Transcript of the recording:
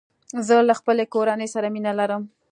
زه له خپلي کورنۍ سره مينه لرم